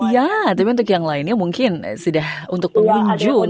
ya tapi untuk yang lainnya mungkin sudah untuk pengunjung